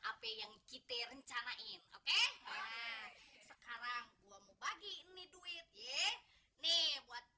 apa yang kita rencanain oke sekarang gua mau bagi ini duit ye nih buat